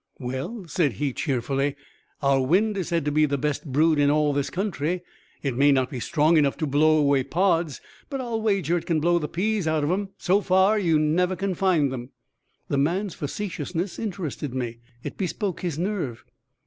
"Well," said he, cheerfully, "Our wind is said to be the best brewed in all this country. It may not be strong enough to blow away pods, but I'll wager it can blow the pease out of 'em so far you never can find them." The man's facetiousness interested me; it bespoke his nerve.